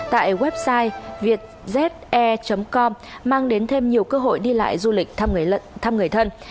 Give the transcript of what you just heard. tại website vietze com mang đến thêm nhiều cơ hội đi lại du lịch thăm người thân